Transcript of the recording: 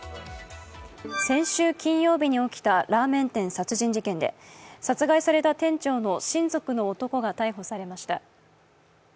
先週金曜日に起きたラーメン店殺人事件で、殺害された店長の親族の男が逮捕されました。